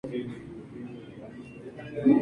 Nobita es un niño de estatura mediana con piel clara.